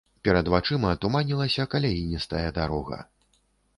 Перад вачыма туманілася каляіністая дарога.